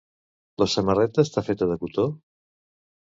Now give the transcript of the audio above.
La samarreta està feta de cotó?